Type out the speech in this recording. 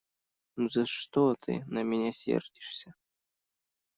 Ну за что ты на меня сердишься?